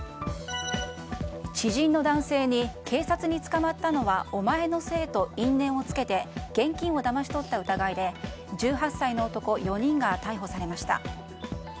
知人の男性に警察に捕まったのはお前のせいと因縁をつけて現金をだまし取った疑いで１８歳の男４人が逮捕されました。